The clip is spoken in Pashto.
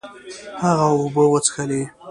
هغه اوبه وڅښلې.